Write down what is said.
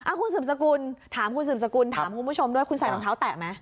คุณสืบสกุลถามคุณสืบสกุลถามคุณผู้ชมด้วยคุณใส่รองเท้าแตะไหม